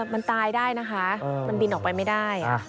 มันตายได้นะคะมันบินออกไปไม่ได้